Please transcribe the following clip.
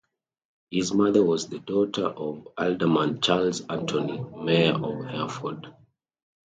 His mother was the daughter of Alderman Charles Anthony, mayor of Hereford.